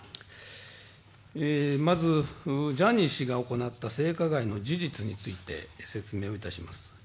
まず、ジャニー氏が行った性加害の事実について説明いたします。